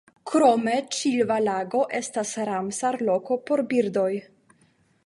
Krome Ĉilva-Lago estas Ramsar-loko por birdoj.